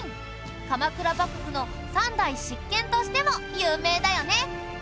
鎌倉幕府の三代執権としても有名だよね。